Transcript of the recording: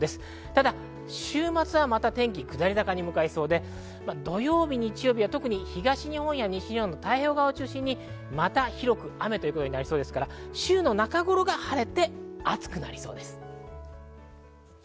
ただ、週末はまた下り坂になりそうで、土曜、日曜は特に東日本、西日本の太平洋側を中心に、また広く雨ということになりそうですから、週の中頃が晴れて暑くなりそうです。